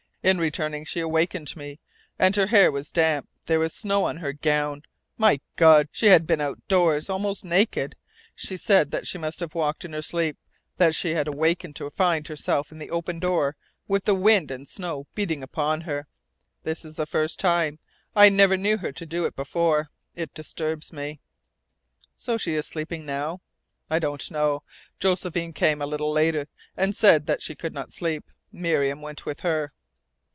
In returning she awakened me. And her hair was damp, there was snow on her gown! My God, she had been outdoors, almost naked! She said that she must have walked in her sleep, that she had awakened to find herself in the open door with the wind and snow beating upon her. This is the first time. I never knew her to do it before. It disturbs me." "She is sleeping now?" "I don't know. Josephine came a little later and said that she could not sleep. Miriam went with her."